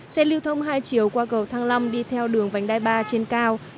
xe lưu thông hai chiều qua cầu thăng long đi theo đường vành đai ba trên cao